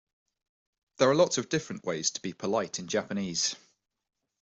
There are lots of different ways to be polite in Japanese.